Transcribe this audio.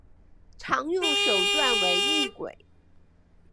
常用手段为异轨。